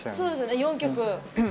４曲。